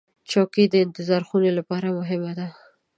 چوکۍ د انتظار خونې لپاره مهمه ده.